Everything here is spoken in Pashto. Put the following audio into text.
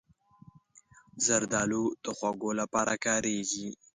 زردالو د خوږو لپاره کارېږي.